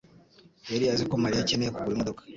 yari azi ko Mariya akeneye kugura imodoka.